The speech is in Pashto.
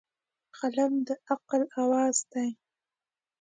قلم د عقل اواز دی